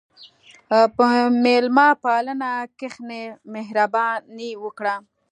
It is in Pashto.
په میلمهپالنه کښېنه، مهرباني وکړه.